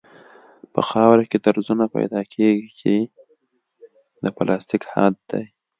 په خاوره کې درزونه پیدا کیږي چې د پلاستیک حد دی